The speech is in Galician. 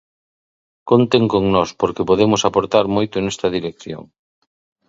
Conten con nos, porque podemos aportar moito nesta dirección.